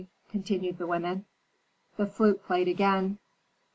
continued the women. The flute played again.